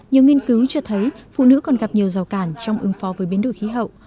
nhiều nghiên cứu cho thấy phụ nữ còn gặp nhiều rào cản trong ứng phó với biến đổi khí hậu